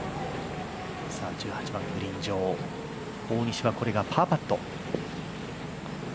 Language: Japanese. １８番グリーン上大西は、これがパーパット。